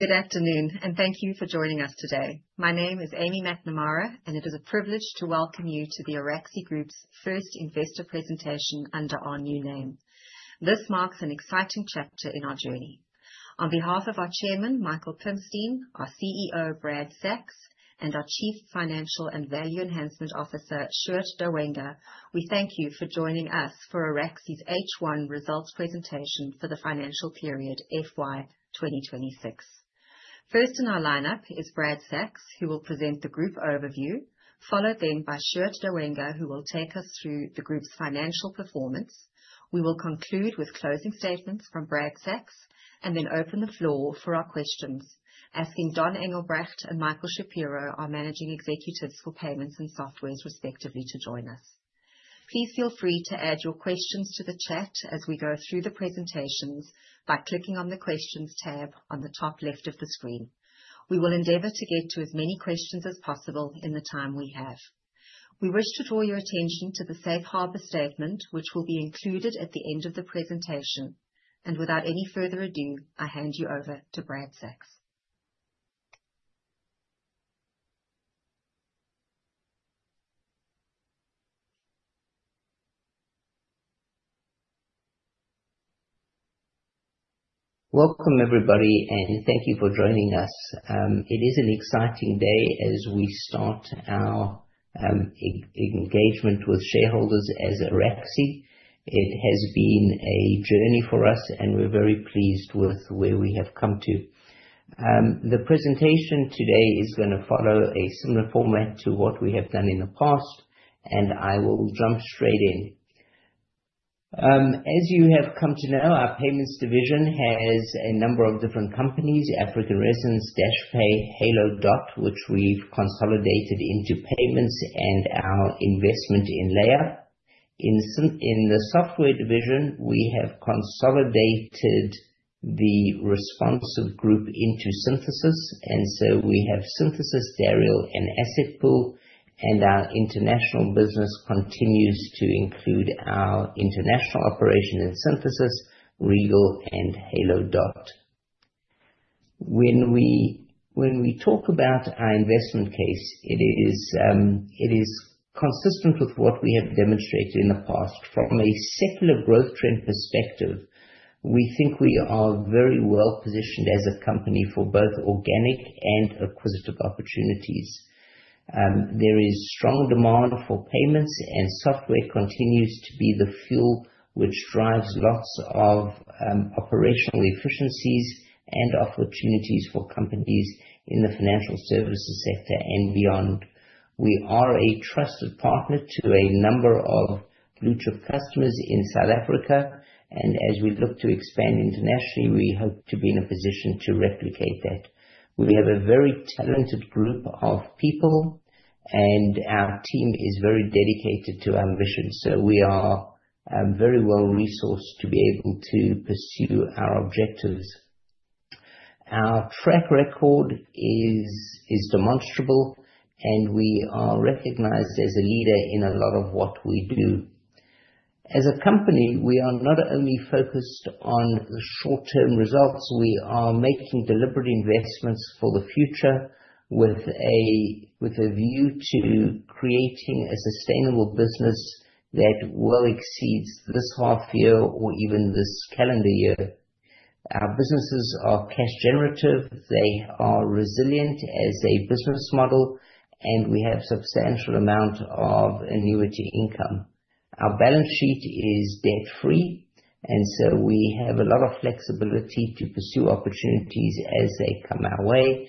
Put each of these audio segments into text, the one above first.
Good afternoon, and thank you for joining us today. My name is Aimee McNamara, and it is a privilege to welcome you to the Araxi Group's first investor presentation under our new name. This marks an exciting chapter in our journey. On behalf of our Chairman, Michael Pimstein, our CEO, Bradley Sacks, and our Chief Financial and Value Enhancement Officer, Sjoerd Douwenga, we thank you for joining us for Araxi's H1 results presentation for the financial period FY 2026. First in our lineup is Bradley Sacks, who will present the group overview. Followed then by Sjoerd Douwenga, who will take us through the group's financial performance. We will conclude with closing statements from Bradley Sacks and then open the floor for our questions, asking Don Engelbrecht and Michael Shapiro, our Managing Executives for Payments and Software respectively, to join us. Please feel free to add your questions to the chat as we go through the presentations by clicking on the Questions tab on the top left of the screen. We will endeavor to get to as many questions as possible in the time we have. We wish to draw your attention to the safe harbor statement, which will be included at the end of the presentation. Without any further ado, I hand you over to Bradley Sacks. Welcome, everybody, and thank you for joining us. It is an exciting day as we start our engagement with shareholders as Araxi. It has been a journey for us, and we're very pleased with where we have come to. The presentation today is going to follow a similar format to what we have done in the past, and I will jump straight in. As you have come to know, our Payments division has a number of different companies, African Resonance, Dashpay, Halo Dot, which we've consolidated into Payments, and our investment in LayUp. In the Software division, we have consolidated the Responsive Group into Synthesis. We have Synthesis, Dariel and AssetPool, our international business continues to include our international operation in Synthesis, Regal and Halo Dot. When we talk about our investment case, it is consistent with what we have demonstrated in the past. From a secular growth trend perspective, we think we are very well-positioned as a company for both organic and acquisitive opportunities. There is strong demand for payments, software continues to be the fuel which drives lots of operational efficiencies and opportunities for companies in the financial services sector and beyond. We are a trusted partner to a number of blue-chip customers in South Africa, as we look to expand internationally, we hope to be in a position to replicate that. We have a very talented group of people, our team is very dedicated to our mission, we are very well-resourced to be able to pursue our objectives. Our track record is demonstrable, we are recognized as a leader in a lot of what we do. As a company, we are not only focused on short-term results. We are making deliberate investments for the future with a view to creating a sustainable business that will exceed this half year or even this calendar year. Our businesses are cash generative. They are resilient as a business model, and we have substantial amount of annuity income. Our balance sheet is debt-free, and so we have a lot of flexibility to pursue opportunities as they come our way.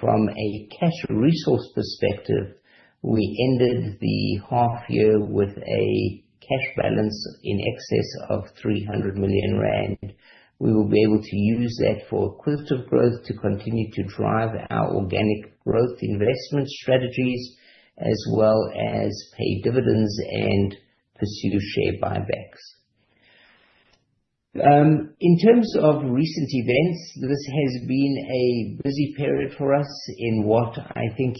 From a cash resource perspective, we ended the half year with a cash balance in excess of 300 million rand. We will be able to use that for acquisitive growth to continue to drive our organic growth investment strategies, as well as pay dividends and pursue share buybacks. In terms of recent events, this has been a busy period for us in what I think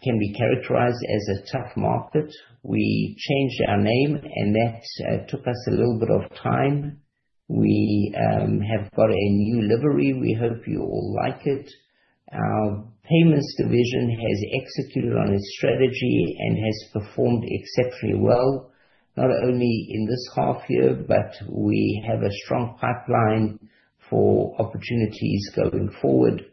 can be characterized as a tough market. We changed our name, that took us a little bit of time. We have got a new livery. We hope you all like it. Our Payments division has executed on its strategy and has performed exceptionally well, not only in this half year, but we have a strong pipeline for opportunities going forward.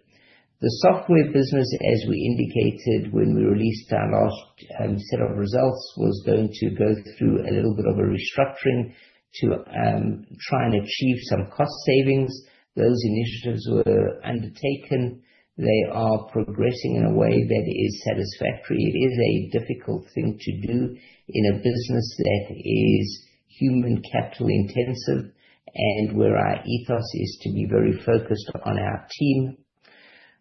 The software business, as we indicated when we released our last set of results, was going to go through a little bit of a restructuring to try and achieve some cost savings. Those initiatives were undertaken. They are progressing in a way that is satisfactory. It is a difficult thing to do in a business that is human capital-intensive and where our ethos is to be very focused on our team.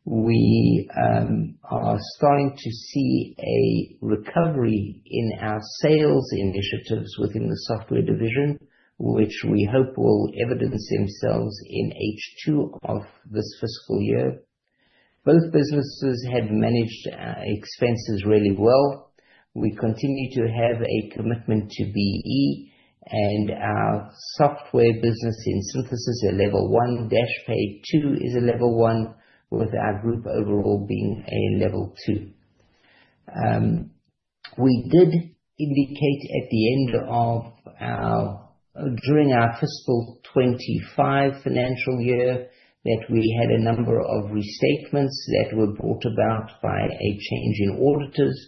We are starting to see a recovery in our sales initiatives within the Software division, which we hope will evidence themselves in H2 of this fiscal year. Both businesses have managed expenses really well. We continue to have a commitment to B-BBEE, and our software business in Synthesis is a level 1, Dashpay too is a level 1, with our group overall being a level 2. We did indicate during our fiscal 2025 financial year, that we had a number of restatements that were brought about by a change in auditors.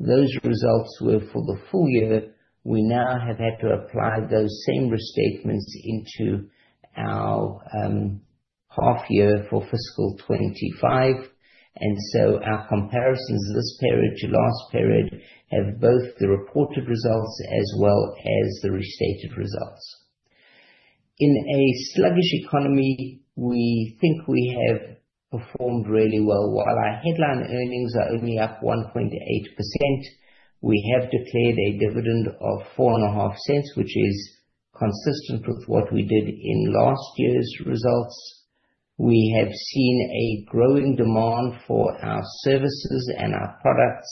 Those results were for the full year. We now have had to apply those same restatements into our half year for fiscal 2025. Our comparisons this period to last period have both the reported results as well as the restated results. In a sluggish economy, we think we have performed really well. While our headline earnings are only up 1.8%, we have declared a dividend of 0.045, which is consistent with what we did in last year's results. We have seen a growing demand for our services and our products.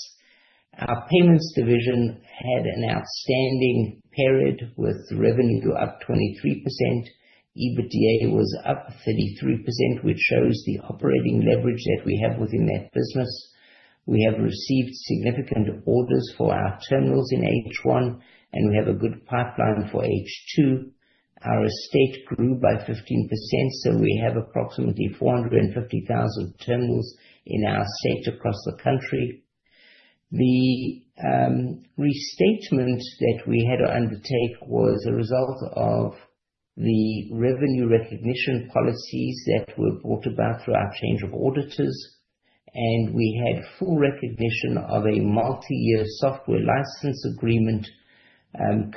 Our Payments division had an outstanding period with revenue up 23%. EBITDA was up 33%, which shows the operating leverage that we have within that business. We have received significant orders for our terminals in H1, and we have a good pipeline for H2. Our estate grew by 15%, so we have approximately 450,000 terminals in our estate across the country. The restatements that we had to undertake was a result of the revenue recognition policies that were brought about through our change of auditors. We had full recognition of a multi-year software license agreement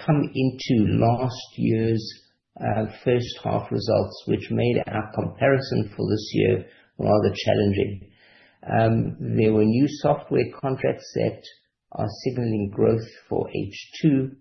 come into last year's first half results, which made our comparison for this year rather challenging. There were new software contracts that are signaling growth for H2.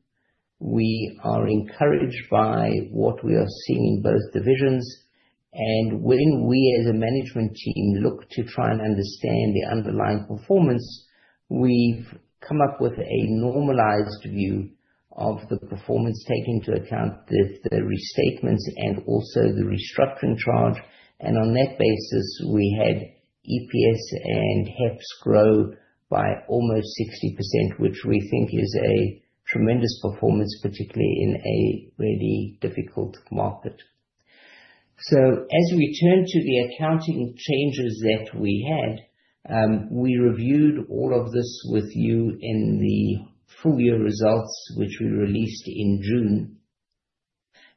We are encouraged by what we are seeing in both divisions. When we as a management team look to try and understand the underlying performance, we've come up with a normalized view of the performance, taking into account the restatements and also the restructuring charge. On that basis, we had EPS and HEPS grow by almost 60%, which we think is a tremendous performance, particularly in a really difficult market. As we turn to the accounting changes that we had, we reviewed all of this with you in the full-year results, which we released in June.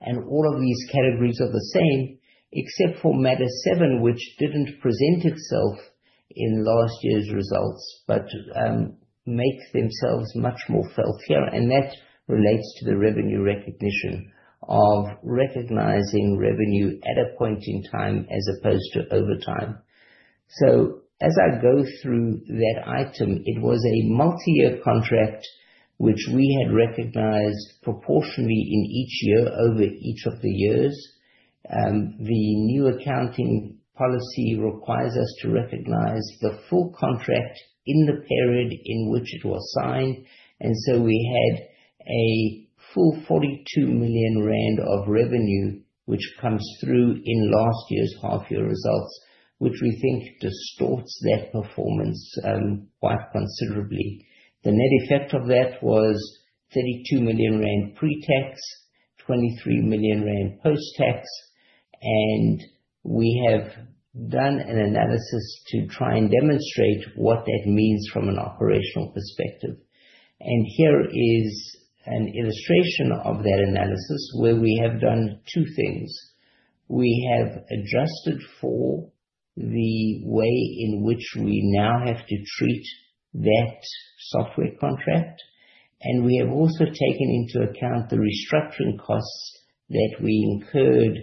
All of these categories are the same except for matter 7, which didn't present itself in last year's results, but make themselves much more felt here. That relates to the revenue recognition of recognizing revenue at a point in time as opposed to over time. As I go through that item, it was a multi-year contract which we had recognized proportionally in each year over each of the years. The new accounting policy requires us to recognize the full contract in the period in which it was signed. We had a full 42 million rand of revenue, which comes through in last year's half year results, which we think distorts that performance quite considerably. The net effect of that was 32 million rand pre-tax, 23 million rand post-tax. We have done an analysis to try and demonstrate what that means from an operational perspective. Here is an illustration of that analysis where we have done two things. We have adjusted for the way in which we now have to treat that software contract. We have also taken into account the restructuring costs that we incurred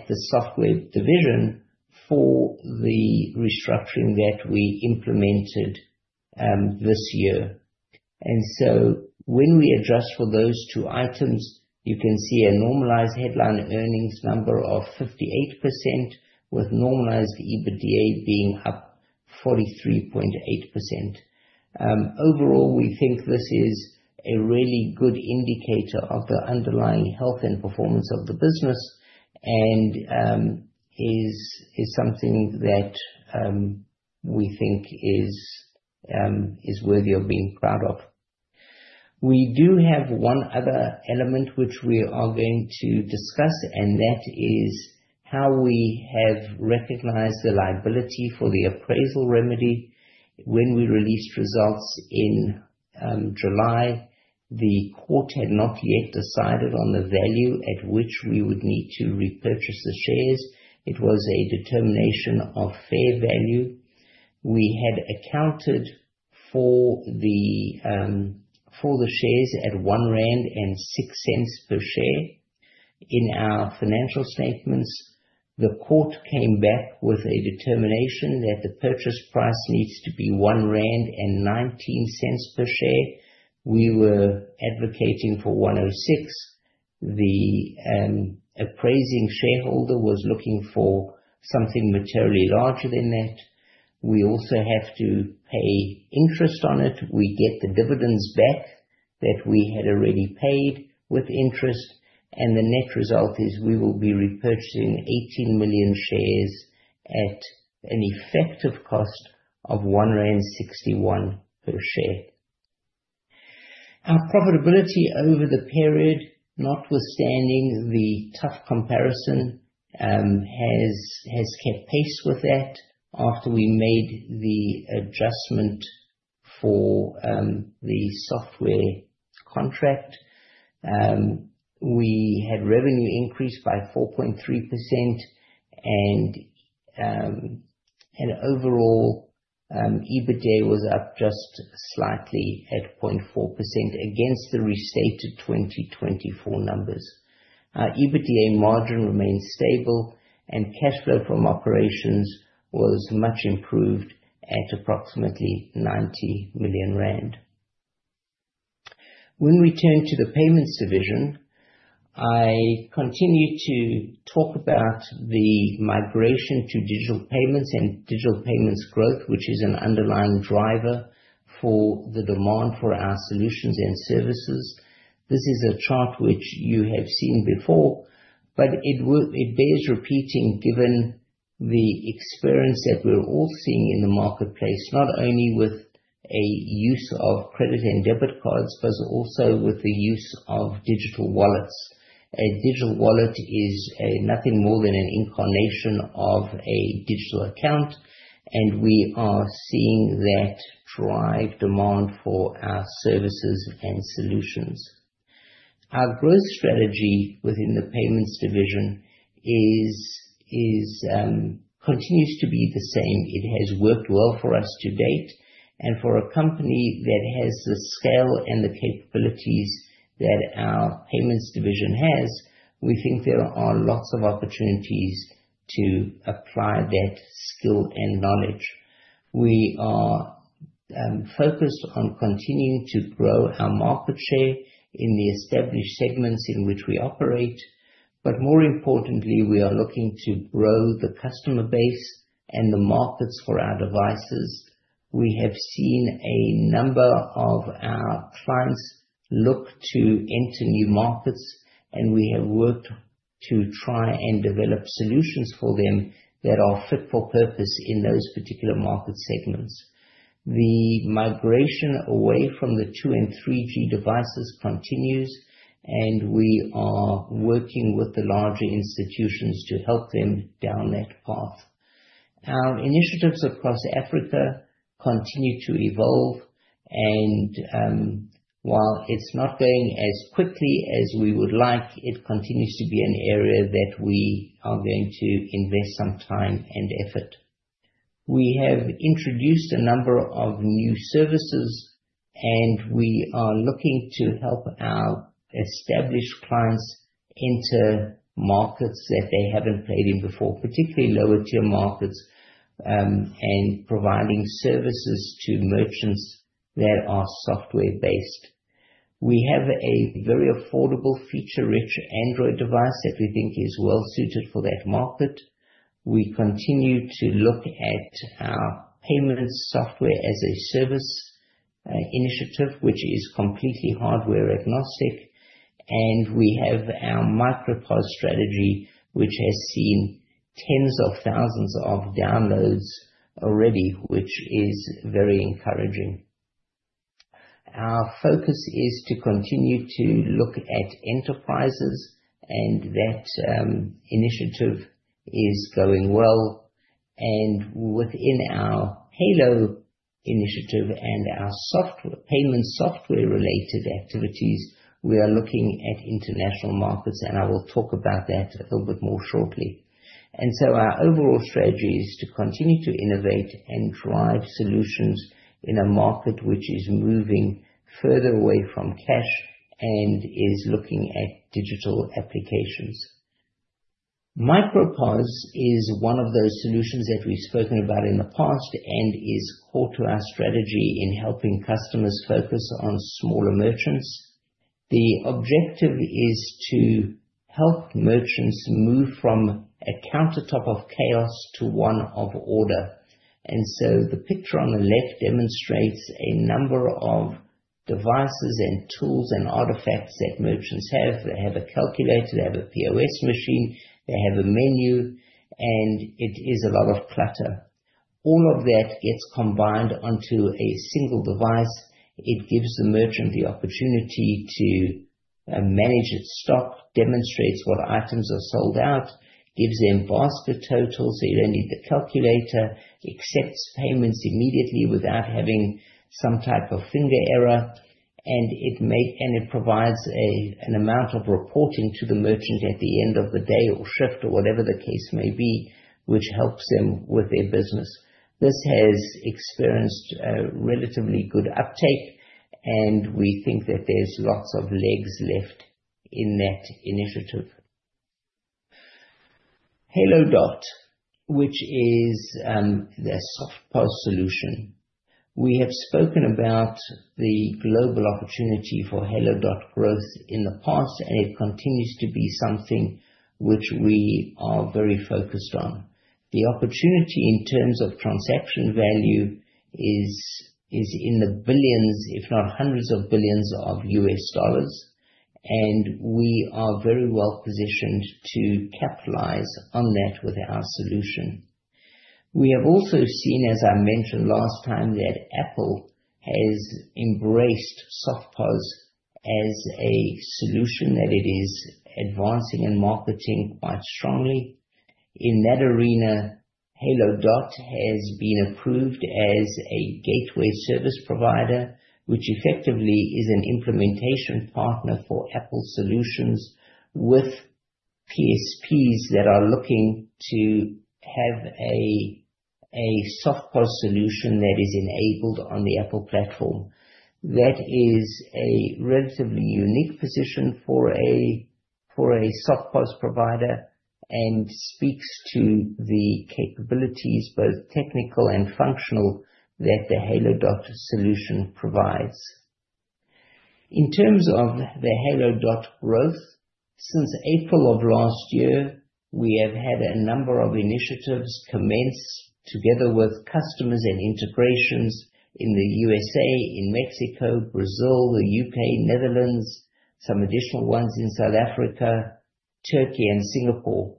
at the software division for the restructuring that we implemented this year. When we adjust for those two items, you can see a normalized headline earnings number of 58% with normalized EBITDA being up 43.8%. Overall, we think this is a really good indicator of the underlying health and performance of the business. Is something that we think is worthy of being proud of. We do have one other element which we are going to discuss. That is how we have recognized the liability for the appraisal remedy. When we released results in July, the court had not yet decided on the value at which we would need to repurchase the shares. It was a determination of fair value. We had accounted for the shares at 1.06 rand per share. In our financial statements, the court came back with a determination that the purchase price needs to be 1.19 rand per share. We were advocating for 1.06. The appraising shareholder was looking for something materially larger than that. We also have to pay interest on it. We get the dividends back that we had already paid with interest, and the net result is we will be repurchasing 18 million shares at an effective cost of 1.61 rand per share. Our profitability over the period, notwithstanding the tough comparison, has kept pace with that after we made the adjustment for the software contract. We had revenue increase by 4.3% and overall, EBITDA was up just slightly at 0.4% against the restated 2024 numbers. Our EBITDA margin remains stable and cash flow from operations was much improved at approximately 90 million rand. When we turn to the payments division, I continue to talk about the migration to digital payments and digital payments growth, which is an underlying driver for the demand for our solutions and services. This is a chart which you have seen before, but it bears repeating given the experience that we're all seeing in the marketplace, not only with a use of credit and debit cards, but also with the use of digital wallets. A digital wallet is nothing more than an incarnation of a digital account, and we are seeing that drive demand for our services and solutions. Our growth strategy within the payments division continues to be the same. It has worked well for us to date. For a company that has the scale and the capabilities that our payments division has, we think there are lots of opportunities to apply that skill and knowledge. We are focused on continuing to grow our market share in the established segments in which we operate, but more importantly, we are looking to grow the customer base and the markets for our devices. We have seen a number of our clients look to enter new markets, and we have worked to try and develop solutions for them that are fit for purpose in those particular market segments. The migration away from the 2G and 3G devices continues, and we are working with the larger institutions to help them down that path. Our initiatives across Africa continue to evolve and while it's not going as quickly as we would like, it continues to be an area that we are going to invest some time and effort. We have introduced a number of new services, and we are looking to help our established clients enter markets that they haven't played in before, particularly lower-tier markets, and providing services to merchants that are software-based. We have a very affordable feature-rich Android device that we think is well-suited for that market. We continue to look at our payments software-as-a-service initiative, which is completely hardware-agnostic, and we have our MICROS POS strategy, which has seen tens of thousands of downloads already, which is very encouraging. Our focus is to continue to look at enterprises and that initiative is going well. Within our Halo Dot initiative and our payment software-related activities, we are looking at international markets, and I will talk about that a little bit more shortly. Our overall strategy is to continue to innovate and drive solutions in a market which is moving further away from cash and is looking at digital applications. MICROS POS is one of those solutions that we've spoken about in the past and is core to our strategy in helping customers focus on smaller merchants. The objective is to help merchants move from a countertop of chaos to one of order. The picture on the left demonstrates a number of devices and tools and artifacts that merchants have. They have a calculator, they have a POS machine, they have a menu, and it is a lot of clutter. All of that gets combined onto a single device. It gives the merchant the opportunity to manage its stock, demonstrates what items are sold out, gives them basket totals, so you don't need the calculator, accepts payments immediately without having some type of finger error, and it provides an amount of reporting to the merchant at the end of the day or shift or whatever the case may be, which helps them with their business. This has experienced a relatively good uptake, and we think that there's lots of legs left in that initiative Halo Dot, which is their SoftPOS solution. We have spoken about the global opportunity for Halo Dot growth in the past. It continues to be something which we are very focused on. The opportunity in terms of transaction value is in the billions, if not hundreds of billions of US dollars, and we are very well-positioned to capitalize on that with our solution. We have also seen, as I mentioned last time, that Apple has embraced SoftPOS as a solution that it is advancing and marketing quite strongly. In that arena, Halo Dot has been approved as a gateway service provider, which effectively is an implementation partner for Apple solutions with PSPs that are looking to have a SoftPOS solution that is enabled on the Apple platform. That is a relatively unique position for a SoftPOS provider and speaks to the capabilities, both technical and functional, that the Halo Dot solution provides. In terms of the Halo Dot growth, since April of last year, we have had a number of initiatives commence together with customers and integrations in the USA, in Mexico, Brazil, the U.K., Netherlands, some additional ones in South Africa, Turkey, and Singapore.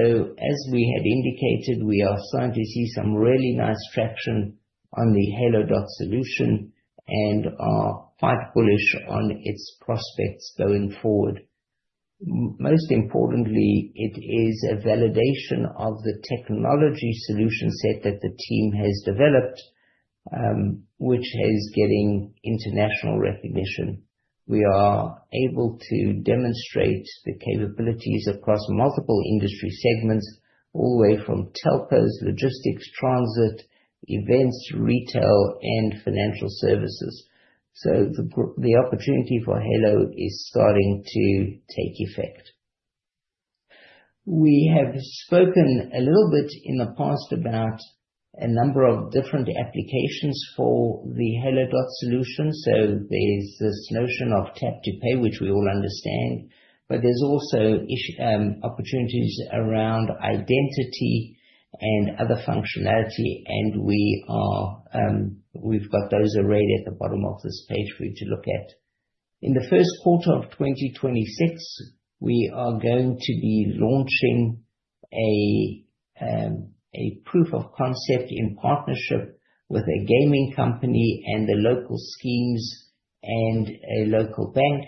As we have indicated, we are starting to see some really nice traction on the Halo Dot solution and are quite bullish on its prospects going forward. Most importantly, it is a validation of the technology solution set that the team has developed, which is getting international recognition. We are able to demonstrate the capabilities across multiple industry segments, all the way from telcos, logistics, transit, events, retail, and financial services. The opportunity for Halo is starting to take effect. We have spoken a little bit in the past about a number of different applications for the Halo Dot solution. There's this notion of tap-to-pay, which we all understand, but there's also opportunities around identity and other functionality, and we've got those arrayed at the bottom of this page for you to look at. In the first quarter of 2026, we are going to be launching a proof of concept in partnership with a gaming company and the local schemes and a local bank,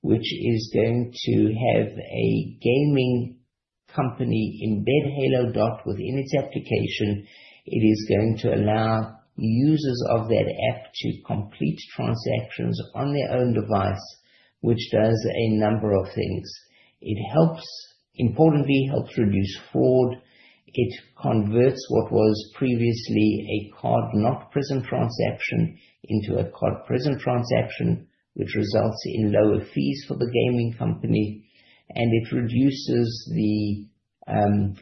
which is going to have a gaming company embed Halo Dot within its application. It is going to allow users of that app to complete transactions on their own device, which does a number of things. It importantly helps reduce fraud. It converts what was previously a card-not-present transaction into a card-present transaction, which results in lower fees for the gaming company, and it reduces the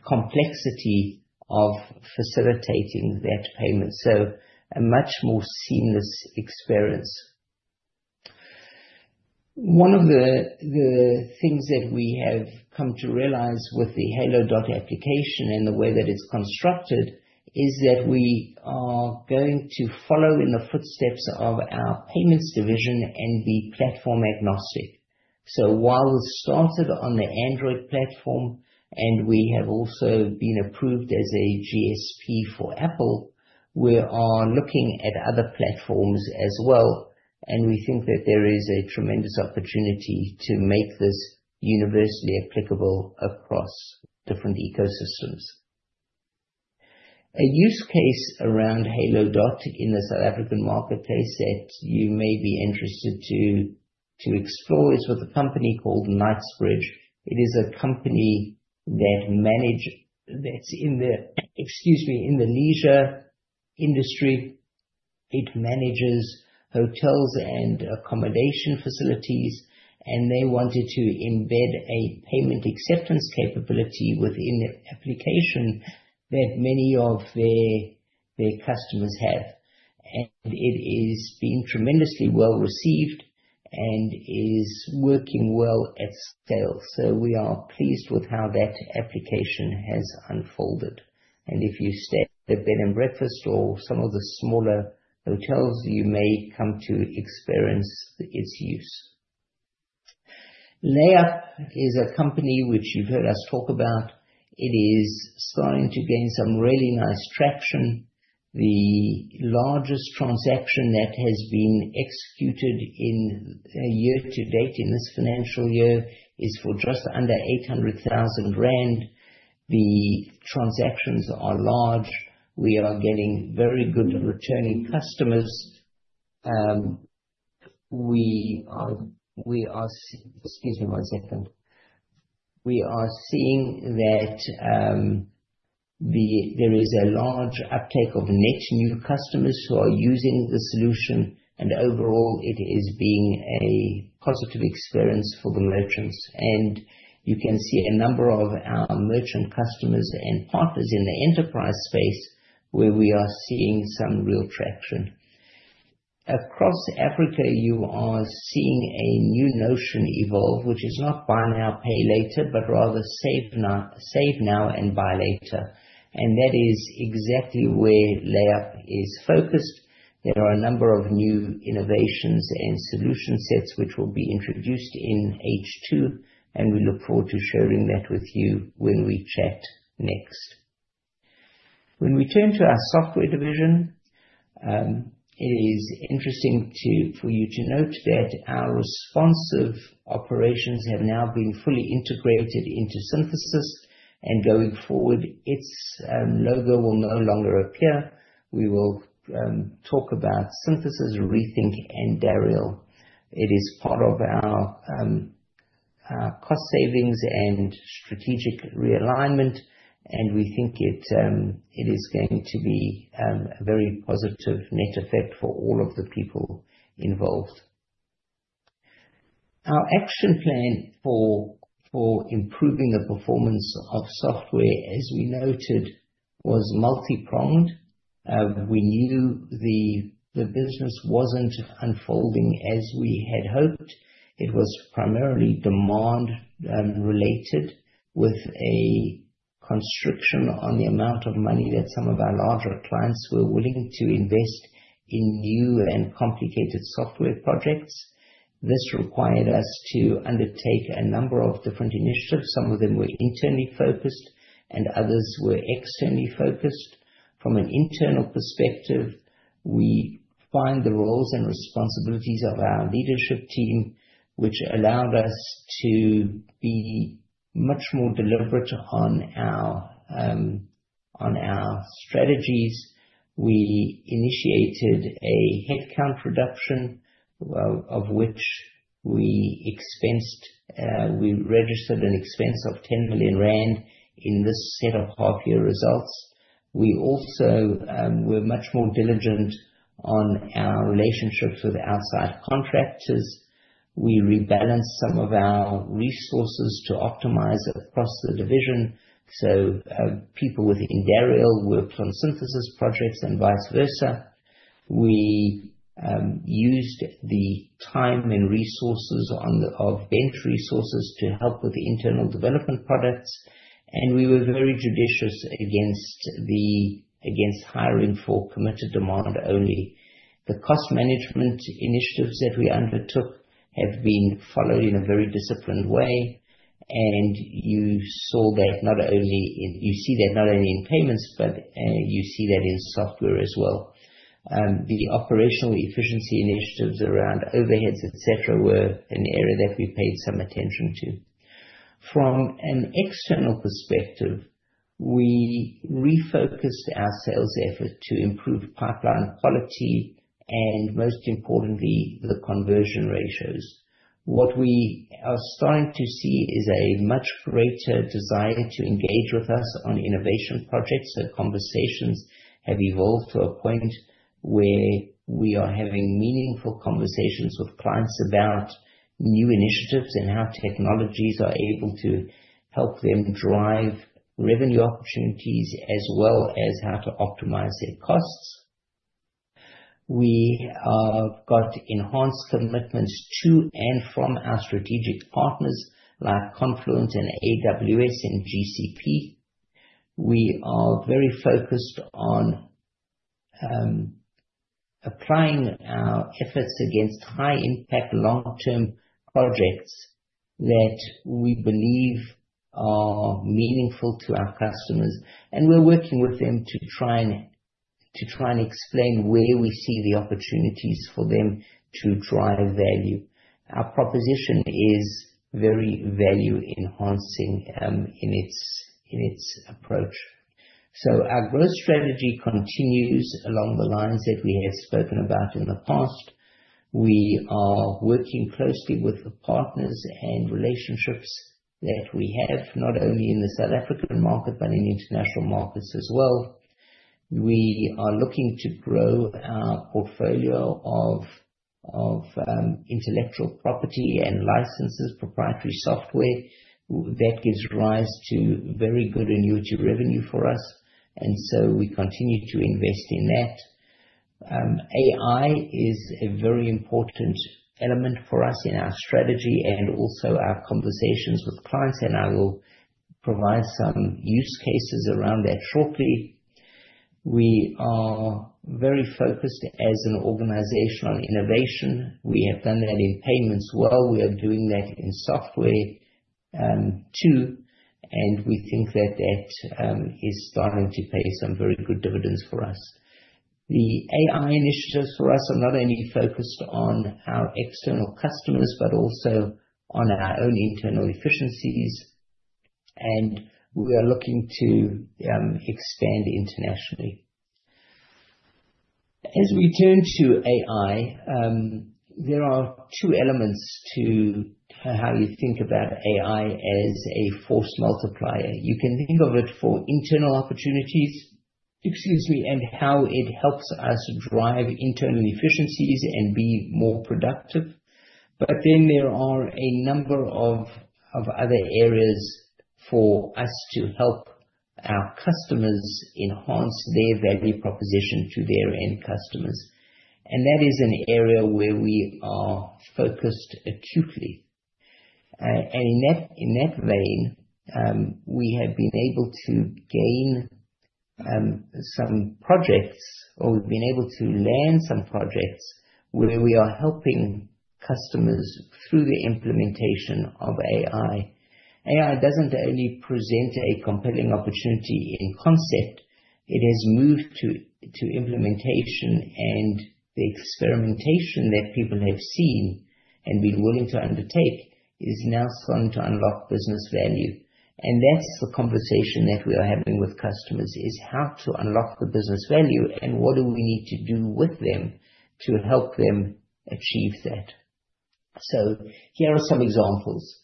complexity of facilitating that payment. A much more seamless experience. One of the things that we have come to realize with the Halo Dot application and the way that it's constructed is that we are going to follow in the footsteps of our payments division and be platform-agnostic. While we started on the Android platform and we have also been approved as a GSP for Apple, we are looking at other platforms as well, and we think that there is a tremendous opportunity to make this universally applicable across different ecosystems. A use case around Halo Dot in the South African marketplace that you may be interested to explore is with a company called Knightsbridge. It is a company that's in the leisure industry. It manages hotels and accommodation facilities, and they wanted to embed a payment acceptance capability within the application that many of their customers have. It is being tremendously well-received and is working well at scale. We are pleased with how that application has unfolded. If you stay at the bed and breakfast or some of the smaller hotels, you may come to experience its use. LayUp is a company which you've heard us talk about. It is starting to gain some really nice traction. The largest transaction that has been executed in year to date in this financial year is for just under 800,000 rand. The transactions are large. We are getting very good returning customers. Excuse me one second. There is a large uptake of net new customers who are using the solution, and overall it is being a positive experience for the merchants. You can see a number of our merchant customers and partners in the enterprise space where we are seeing some real traction. Across Africa, you are seeing a new notion evolve, which is not buy now, pay later, but rather save now and buy later. That is exactly where LayUp is focused. There are a number of new innovations and solution sets which will be introduced in H2, and we look forward to sharing that with you when we chat next. When we turn to our software division, it is interesting for you to note that our Responsive operations have now been fully integrated into Synthesis, and going forward, its logo will no longer appear. We will talk about Synthesis, Rethink and Dariel. It is part of our cost savings and strategic realignment, and we think it is going to be a very positive net effect for all of the people involved. Our action plan for improving the performance of software, as we noted, was multi-pronged. We knew the business wasn't unfolding as we had hoped. It was primarily demand-related with a constriction on the amount of money that some of our larger clients were willing to invest in new and complicated software projects. This required us to undertake a number of different initiatives. Some of them were internally focused and others were externally focused. From an internal perspective, we defined the roles and responsibilities of our leadership team, which allowed us to be much more deliberate on our strategies. We initiated a headcount reduction, of which we registered an expense of 10 million rand in this set of half-year results. We also were much more diligent on our relationships with outside contractors. We rebalanced some of our resources to optimize across the division. People within Dariel worked on Synthesis projects and vice versa. We used the time and resources on our bench resources to help with internal development products. We were very judicious against hiring for committed demand only. The cost management initiatives that we undertook have been followed in a very disciplined way, and you see that not only in payments but you see that in software as well. The operational efficiency initiatives around overheads, et cetera, were an area that we paid some attention to. From an external perspective, we refocused our sales effort to improve pipeline quality and most importantly, the conversion ratios. What we are starting to see is a much greater desire to engage with us on innovation projects. Conversations have evolved to a point where we are having meaningful conversations with clients about new initiatives and how technologies are able to help them drive revenue opportunities as well as how to optimize their costs. We have got enhanced commitments to and from our strategic partners like Confluent and AWS and GCP. We are very focused on applying our efforts against high-impact, long-term projects that we believe are meaningful to our customers. We're working with them to try and explain where we see the opportunities for them to drive value. Our proposition is very value-enhancing in its approach. Our growth strategy continues along the lines that we have spoken about in the past. We are working closely with the partners and relationships that we have, not only in the South African market but in international markets as well. We are looking to grow our portfolio of intellectual property and licenses, proprietary software that gives rise to very good annuity revenue for us, and we continue to invest in that. AI is a very important element for us in our strategy. Also our conversations with clients, and I will provide some use cases around that shortly. We are very focused as an organization on innovation. We have done that in payments well. We are doing that in software too, and we think that is starting to pay some very good dividends for us. The AI initiatives for us are not only focused on our external customers but also on our own internal efficiencies, and we are looking to expand internationally. As we turn to AI, there are two elements to how you think about AI as a force multiplier. You can think of it for internal opportunities and how it helps us drive internal efficiencies and be more productive. There are a number of other areas for us to help our customers enhance their value proposition to their end customers. That is an area where we are focused acutely. In that vein, we have been able to gain some projects, or we've been able to land some projects where we are helping customers through the implementation of AI. AI doesn't only present a compelling opportunity in concept. It has moved to implementation, and the experimentation that people have seen and been willing to undertake is now starting to unlock business value. That's the conversation that we are having with customers, is how to unlock the business value and what do we need to do with them to help them achieve that. Here are some examples.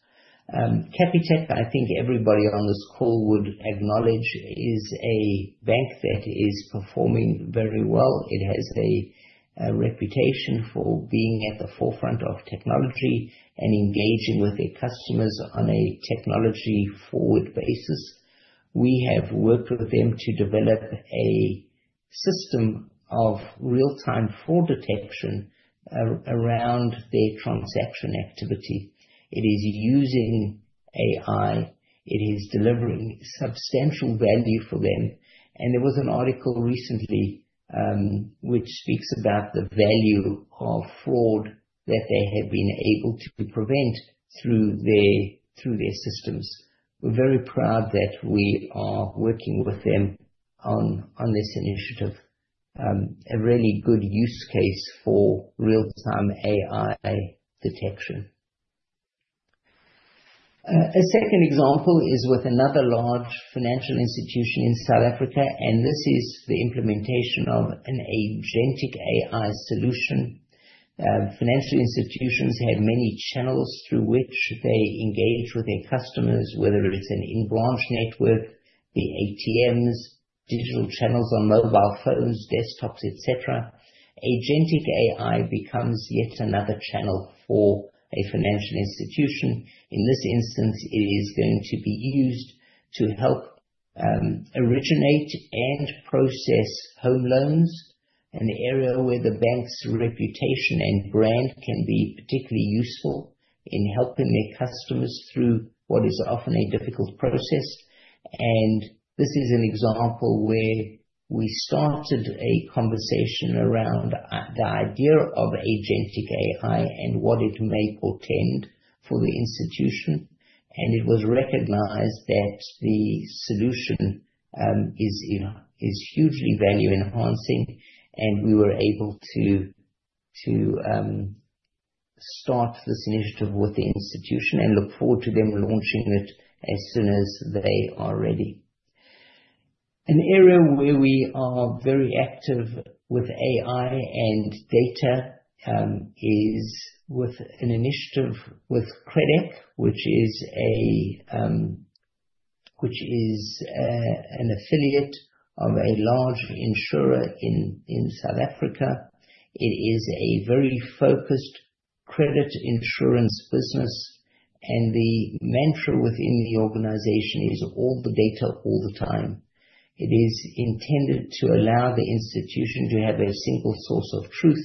Capitec, I think everybody on this call would acknowledge, is a bank that is performing very well. It has a reputation for being at the forefront of technology and engaging with their customers on a technology-forward basis. We have worked with them to develop a system of real-time fraud detection around their transaction activity. It is using AI. It is delivering substantial value for them. There was an article recently which speaks about the value of fraud that they have been able to prevent through their systems. We're very proud that we are working with them on this initiative. A really good use case for real-time AI detection. A second example is with another large financial institution in South Africa, this is the implementation of an agentic AI solution. Financial institutions have many channels through which they engage with their customers, whether it is an in-branch network, the ATMs, digital channels on mobile phones, desktops, et cetera. Agentic AI becomes yet another channel for a financial institution. In this instance, it is going to be used to help originate and process home loans, an area where the bank's reputation and brand can be particularly useful in helping their customers through what is often a difficult process. This is an example where we started a conversation around the idea of agentic AI and what it may portend for the institution, it was recognized that the solution is hugely value-enhancing, we were able to start this initiative with the institution and look forward to them launching it as soon as they are ready. An area where we are very active with AI and data is with an initiative with Credac, which is an affiliate of a large insurer in South Africa. It is a very focused credit insurance business, the mantra within the organization is all the data, all the time. It is intended to allow the institution to have a single source of truth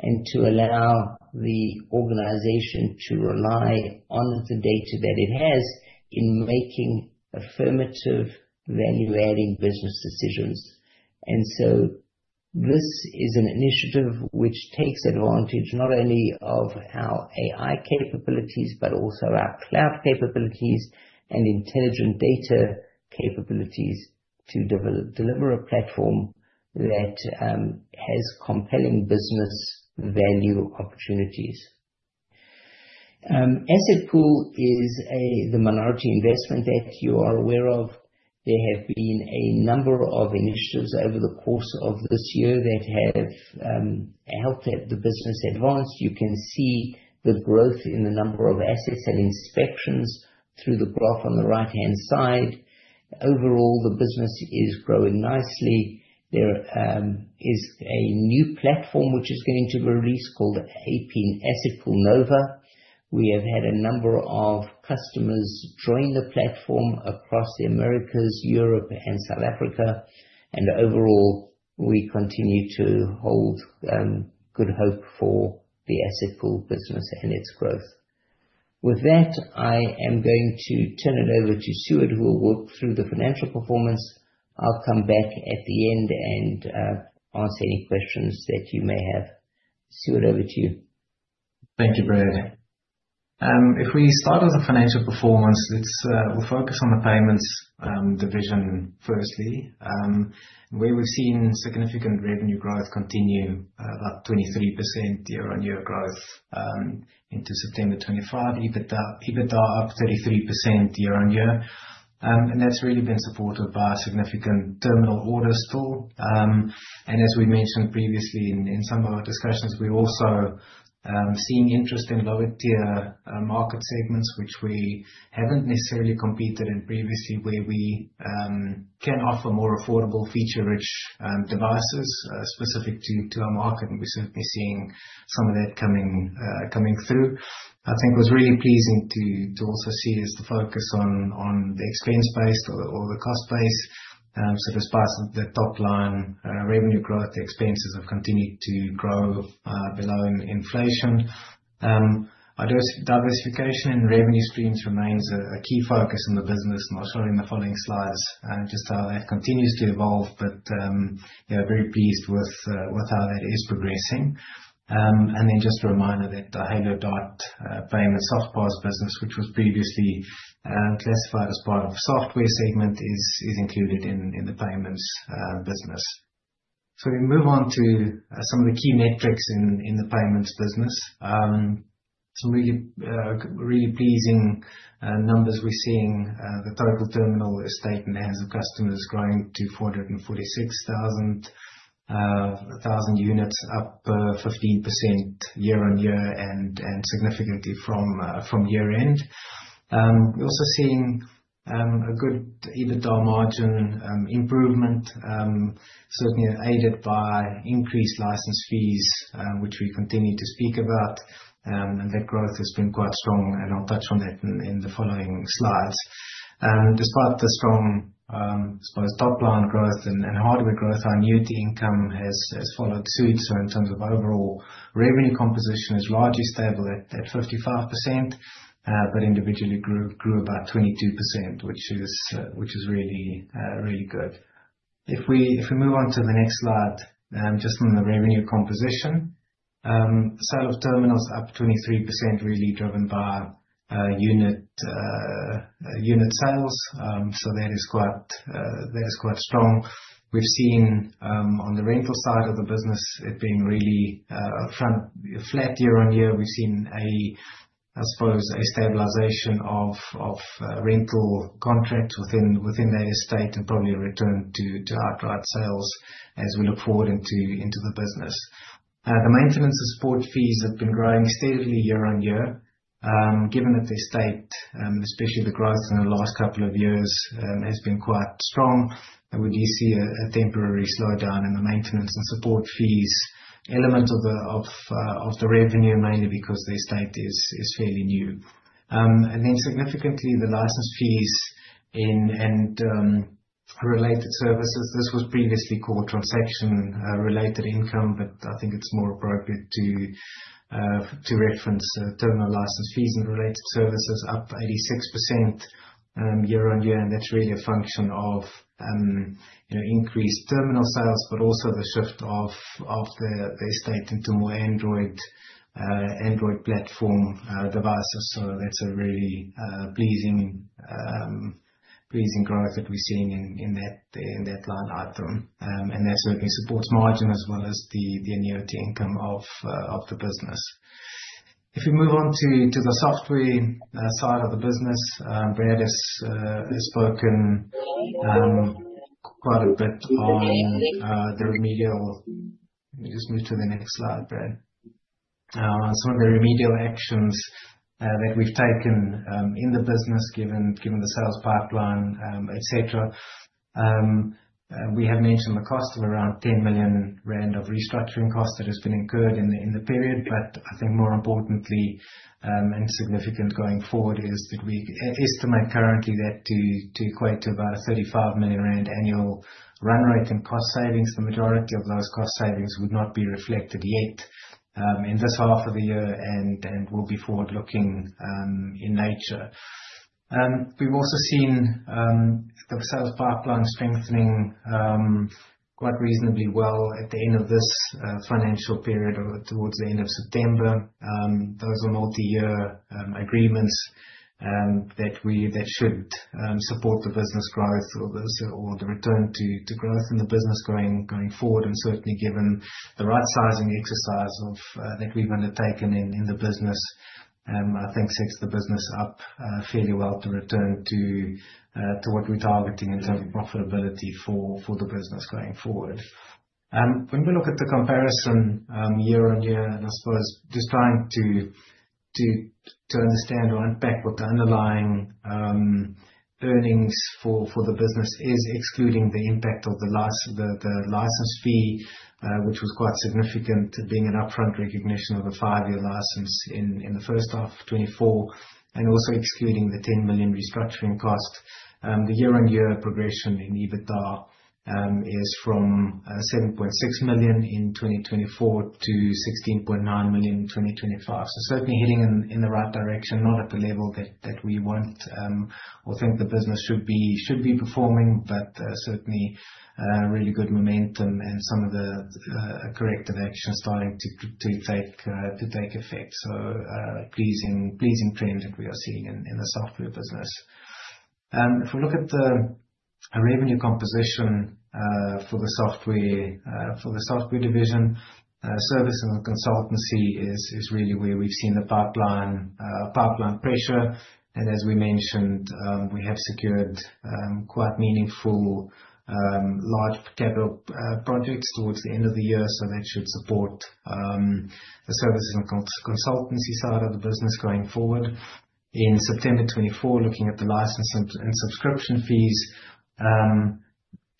and to allow the organization to rely on the data that it has in making affirmative value-adding business decisions. This is an initiative which takes advantage not only of our AI capabilities but also our cloud capabilities and intelligent data capabilities to deliver a platform that has compelling business value opportunities. AssetPool is the minority investment that you are aware of. There have been a number of initiatives over the course of this year that have helped the business advance. You can see the growth in the number of assets and inspections through the graph on the right-hand side. Overall, the business is growing nicely. There is a new platform which is going to release called AP, AssetPool NOVA. We have had a number of customers join the platform across the Americas, Europe, and South Africa, overall, we continue to hold good hope for the AssetPool business and its growth. With that, I am going to turn it over to Sjoerd, who will walk through the financial performance. I'll come back at the end and answer any questions that you may have. Sjoerd, over to you Thank you, Brad. If we start with the financial performance, we will focus on the payments division firstly. Where we have seen significant revenue growth continue, up 23% year-on-year growth into September 2025. EBITDA up 33% year-on-year. That has really been supported by a significant terminal order store. As we mentioned previously in some of our discussions, we are also seeing interest in lower tier market segments, which we have not necessarily competed in previously, where we can offer more affordable feature-rich devices specific to our market, and we are certainly seeing some of that coming through. I think it was really pleasing to also see is the focus on the expense base or the cost base. Despite the top line revenue growth, expenses have continued to grow below inflation. Diversification in revenue streams remains a key focus in the business, and I will show in the following slides just how that continues to evolve. Very pleased with how that is progressing. Then just a reminder that the Halo Dot payments software business, which was previously classified as part of software segment, is included in the payments business. We move on to some of the key metrics in the payments business. Some really pleasing numbers we are seeing. The total terminal estate in the hands of customers growing to 446,000 units up 15% year-on-year and significantly from year-end. We are also seeing a good EBITDA margin improvement, certainly aided by increased license fees, which we continue to speak about. That growth has been quite strong, and I will touch on that in the following slides. Despite the strong top line growth and hardware growth, our annuity income has followed suit. In terms of overall revenue composition is largely stable at 55%, but individually grew about 22%, which is really good. If we move on to the next slide, just on the revenue composition. Sale of terminals up 23%, really driven by unit sales. That is quite strong. We have seen on the rental side of the business, it being really flat year-on-year. We have seen, I suppose, a stabilization of rental contracts within that estate and probably a return to outright sales as we look forward into the business. The maintenance and support fees have been growing steadily year-on-year. Given that the estate, especially the growth in the last couple of years, has been quite strong, that we do see a temporary slowdown in the maintenance and support fees element of the revenue, mainly because the estate is fairly new. Then significantly, the license fees and related services. This was previously called transaction-related income, but I think it is more appropriate to reference terminal license fees and related services up 86% year-on-year. That is really a function of increased terminal sales, but also the shift of the estate into more Android platform devices. That is a really pleasing growth that we are seeing in that line item. That certainly supports margin as well as the annuity income of the business. If we move on to the software side of the business, Brad has spoken quite a bit on the remedial Let me just move to the next slide, Brad. Some of the remedial actions that we have taken in the business, given the sales pipeline, et cetera. We have mentioned the cost of around 10 million rand of restructuring costs that has been incurred in the period. I think more importantly, and significant going forward is that we estimate currently that to equate to about a 35 million rand annual run rate in cost savings. The majority of those cost savings would not be reflected yet in this half of the year and will be forward-looking in nature. We've also seen the sales pipeline strengthening quite reasonably well at the end of this financial period or towards the end of September. Those are multi-year agreements that should support the business growth or the return to growth in the business going forward. Certainly given the right sizing exercise that we've undertaken in the business, I think sets the business up fairly well to return to what we're targeting in terms of profitability for the business going forward. When we look at the comparison year-on-year, I suppose just trying to understand or unpack what the underlying earnings for the business is, excluding the impact of the license fee, which was quite significant, being an upfront recognition of a five-year license in H1 2024, also excluding the 10 million restructuring cost. The year-on-year progression in EBITDA is from 7.6 million in 2024 to 16.9 million in 2025. Certainly heading in the right direction, not at the level that we want or think the business should be performing, certainly, really good momentum and some of the corrective action starting to take effect. Pleasing trend that we are seeing in the software business. If we look at the revenue composition for the software division, service and consultancy is really where we've seen the pipeline pressure. As we mentioned, we have secured quite meaningful large capital projects towards the end of the year, that should support the service and consultancy side of the business going forward. In September 2024, looking at the license and subscription fees,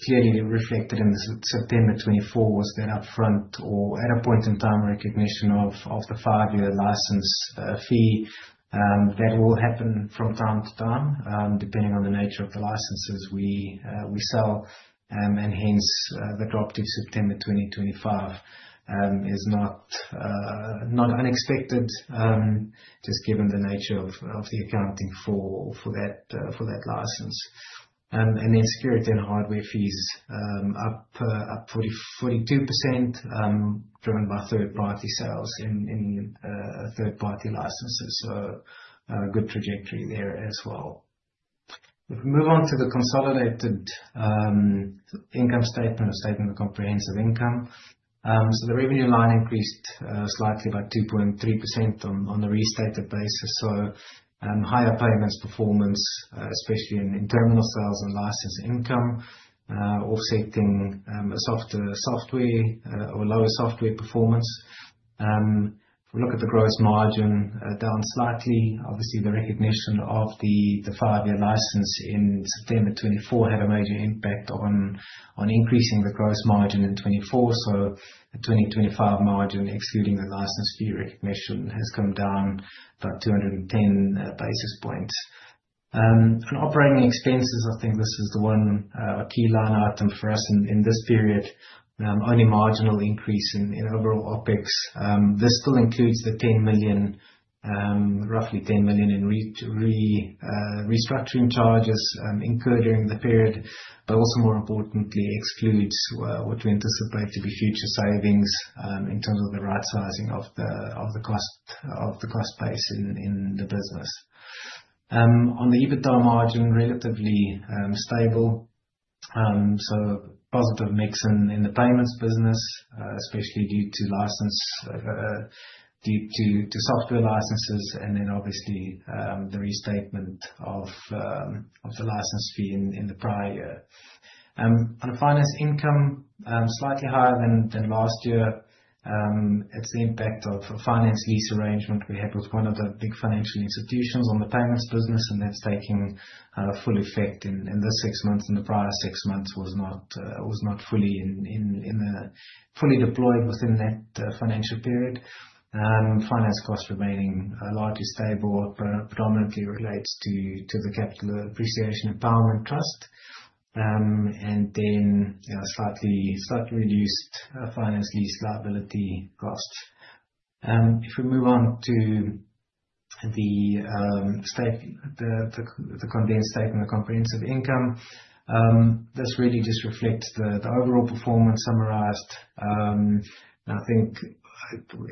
clearly reflected in September 2024 was that upfront or at a point in time recognition of the five-year license fee. That will happen from time to time, depending on the nature of the licenses we sell. Hence, the drop to September 2025 is not unexpected, just given the nature of the accounting for that license. Security and hardware fees up 42%, driven by third-party sales in third-party licenses. A good trajectory there as well. If we move on to the consolidated income statement, a statement of comprehensive income. The revenue line increased slightly by 2.3% on the restated basis. Higher payments performance, especially in terminal sales and license income offsetting a softer software or lower software performance. If we look at the gross margin down slightly, obviously the recognition of the five-year license in September 2024 had a major impact on increasing the gross margin in 2024. The 2025 margin, excluding the license fee recognition, has come down about 210 basis points. On operating expenses, I think this is the one key line item for us in this period. Only marginal increase in overall OpEx. This still includes the roughly 10 million in restructuring charges incurred during the period, also more importantly excludes what we anticipate to be future savings in terms of the right sizing of the cost base in the business. On the EBITDA margin, relatively stable. Positive mix in the Payments business, especially due to software licenses and obviously, the restatement of the license fee in the prior year. Finance income, slightly higher than last year. It's the impact of a finance lease arrangement we had with one of the big financial institutions on the Payments business, and that's taking full effect in this 6 months. The prior 6 months was not fully deployed within that financial period. Finance costs remaining largely stable, predominantly relates to the Capital Appreciation Empowerment Trust. Slightly reduced finance lease liability costs. The condensed statement of comprehensive income. This really just reflects the overall performance summarized.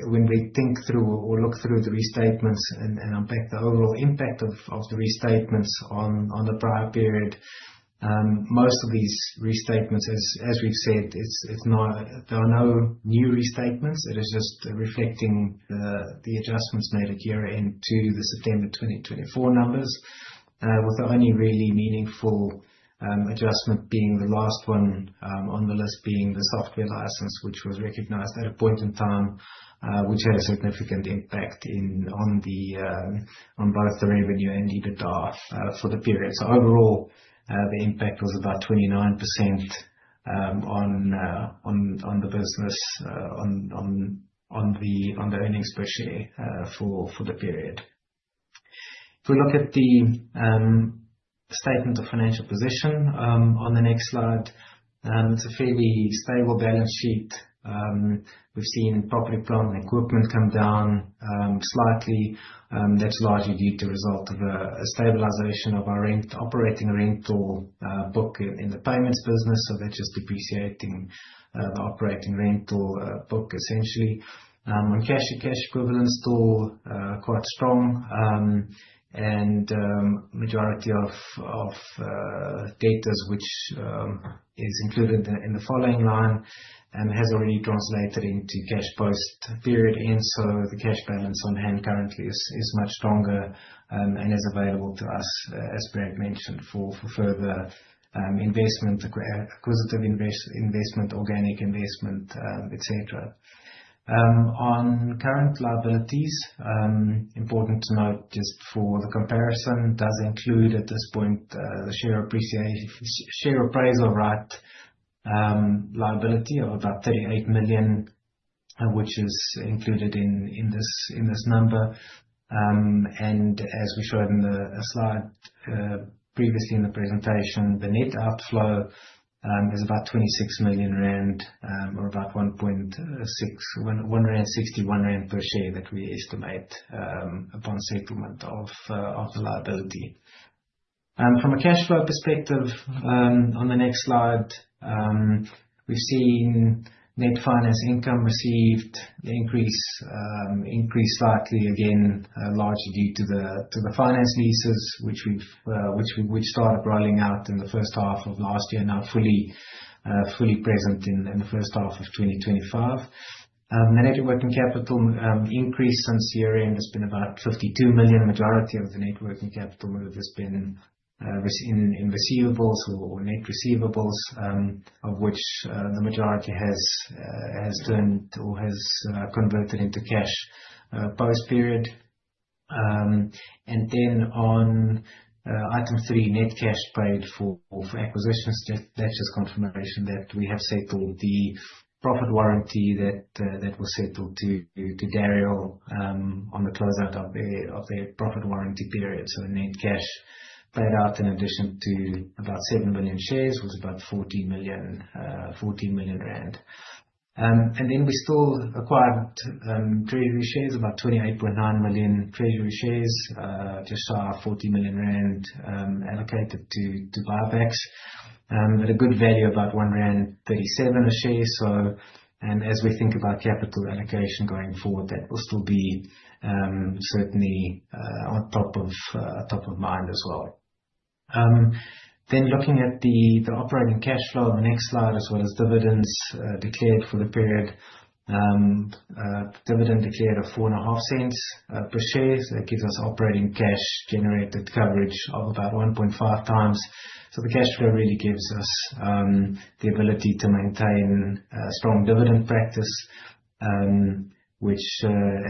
When we think through or look through the restatements and unpack the overall impact of the restatements on the prior period, most of these restatements, as we've said, there are no new restatements. It is just reflecting the adjustments made at year-end to the September 2024 numbers, with the only really meaningful adjustment being the last one on the list, being the software license, which was recognized at a point in time, which had a significant impact on both the revenue and EBITDA for the period. Overall, the impact was about 29% on the business, on the earnings per share for the period. The statement of financial position on the next slide, it's a fairly stable balance sheet. We've seen property, plant, and equipment come down slightly. That's largely due to result of a stabilization of our operating rental book in the Payments business. That's just depreciating the operating rental book essentially. Cash equivalents, still quite strong, and majority of debtors, which is included in the following line and has already translated into cash post-period end. The cash balance on hand currently is much stronger and is available to us, as Brad mentioned, for further investment, acquisitive investment, organic investment, et cetera. Current liabilities, important to note just for the comparison, does include at this point the share appraisal right liability of about 38 million, which is included in this number. As we showed in the slide previously in the presentation, the net outflow is about 26 million rand, or about 1.61 rand per share that we estimate upon settlement of the liability. We've seen net finance income received increase slightly again, largely due to the finance leases, which started rolling out in the first half of last year, now fully present in the first half of 2025. The net working capital increase since year-end has been about 52 million. The majority of the net working capital has been in receivables or net receivables, of which the majority has turned or has converted into cash post-period. On item three, net cash paid for acquisitions, that's just confirmation that we have settled the profit warranty that was settled to Dariel on the close out of their profit warranty period. The net cash paid out in addition to about 7 million shares was about 14 million. We still acquired treasury shares, about 28.9 million treasury shares. Just saw our 40 million rand allocated to buybacks at a good value, about 1.37 rand a share. As we think about capital allocation going forward, that will still be certainly on top of mind as well. Looking at the operating cash flow on the next slide, as well as dividends declared for the period. Dividend declared of 0.045 per share. That gives us operating cash generated coverage of about 1.5 times. The cash flow really gives us the ability to maintain a strong dividend practice, which,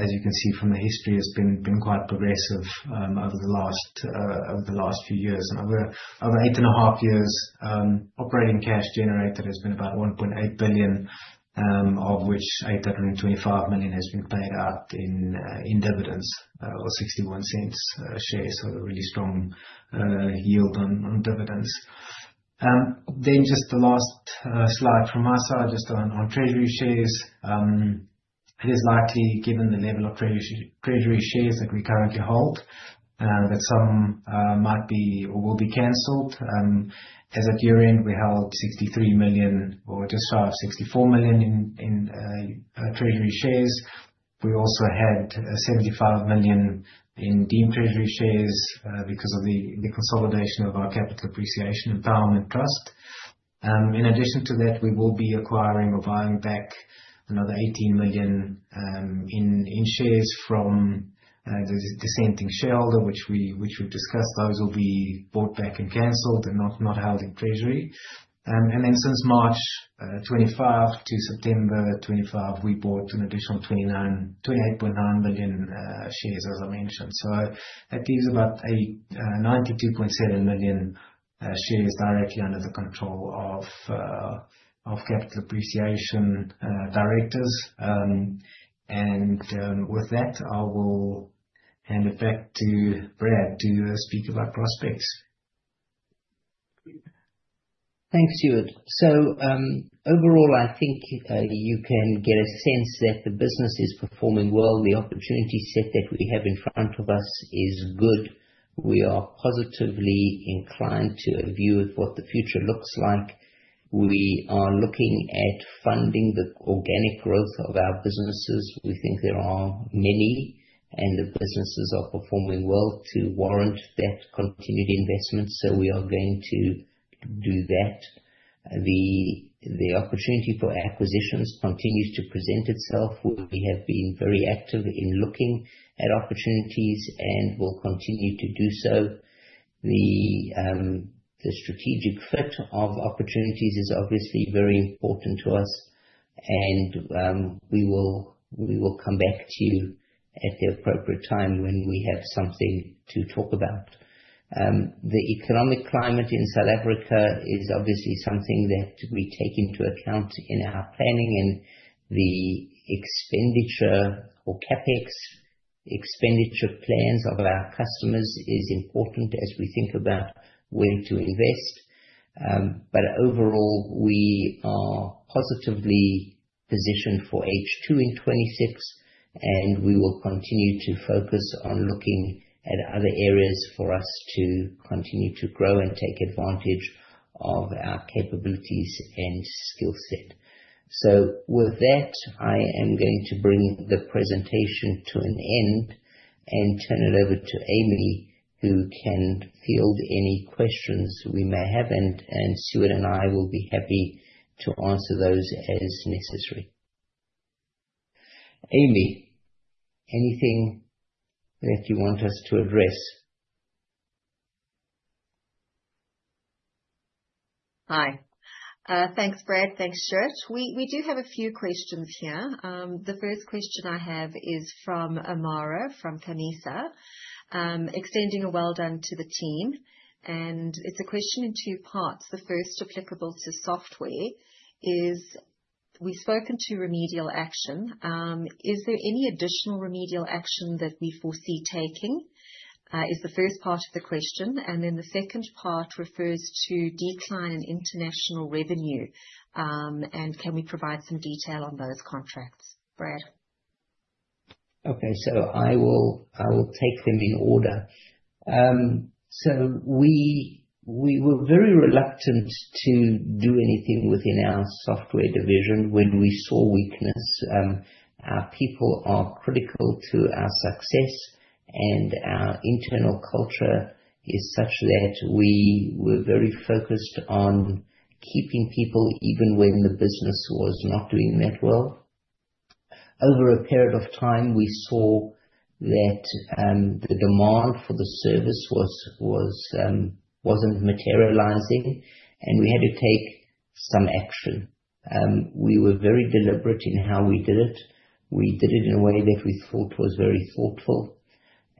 as you can see from the history, has been quite progressive over the last few years. Over 8 and a half years, operating cash generated has been about 1.8 billion, of which 825 million has been paid out in dividends or 0.61 a share. A really strong yield on dividends. Just the last slide from my side, just on treasury shares. It is likely, given the level of treasury shares that we currently hold, that some might be or will be canceled. As at year-end, we held 63 million or just 64 million in treasury shares. We also had 75 million in deemed treasury shares because of the consolidation of our Capital Appreciation Empowerment Trust. In addition to that, we will be acquiring or buying back another 18 million in shares from the dissenting shareholder, which we've discussed. Those will be bought back and canceled and not held in treasury. Since March 2025 to September 2025, we bought an additional 28.9 million shares, as I mentioned. That leaves about 92.7 million shares directly under the control of Capital Appreciation directors. With that, I will hand it back to Brad to speak to our prospects. Thanks, Sjoerd. Overall, I think you can get a sense that the business is performing well. The opportunity set that we have in front of us is good. We are positively inclined to a view of what the future looks like. We are looking at funding the organic growth of our businesses. We think there are many, and the businesses are performing well to warrant that continued investment. We are going to do that. The opportunity for acquisitions continues to present itself. We have been very active in looking at opportunities, and we'll continue to do so. The strategic fit of opportunities is obviously very important to us. We will come back to you at the appropriate time when we have something to talk about. The economic climate in South Africa is obviously something that we take into account in our planning and the expenditure or CapEx expenditure plans of our customers is important as we think about where to invest. Overall, we are positively positioned for H2 in 2026, and we will continue to focus on looking at other areas for us to continue to grow and take advantage of our capabilities and skill set. With that, I am going to bring the presentation to an end and turn it over to Aimee, who can field any questions we may have, and Sjoerd and I will be happy to answer those as necessary. Aimee, anything that you want us to address? Hi. Thanks, Brad. Thanks, Sjoerd. We do have a few questions here. The first question I have is from Amara, from Kanisa, extending a well done to the team, and it's a question in two parts. The first applicable to software is, we've spoken to remedial action. Is there any additional remedial action that we foresee taking? Is the first part of the question. The second part refers to decline in international revenue, and can we provide some detail on those contracts? Brad? Okay. I will take them in order. We were very reluctant to do anything within our software division when we saw weakness. Our people are critical to our success, and our internal culture is such that we were very focused on keeping people even when the business was not doing that well. Over a period of time, we saw that the demand for the service wasn't materializing. We had to take some action. We were very deliberate in how we did it. We did it in a way that we thought was very thoughtful.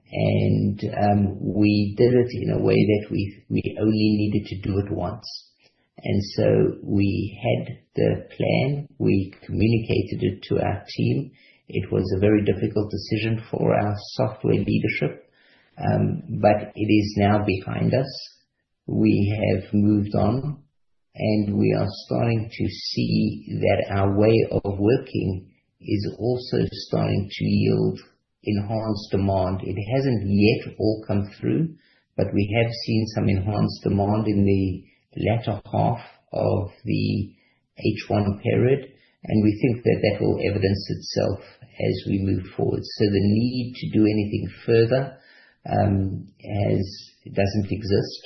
We did it in a way that we only needed to do it once. We had the plan, we communicated it to our team. It was a very difficult decision for our software leadership. It is now behind us. We have moved on. We are starting to see that our way of working is also starting to yield enhanced demand. It hasn't yet all come through. We have seen some enhanced demand in the latter half of the H1 period, and we think that that will evidence itself as we move forward. The need to do anything further doesn't exist.